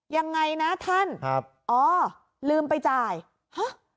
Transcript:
ยังไงนะท่านครับอ๋อลืมไปจ่ายฮะ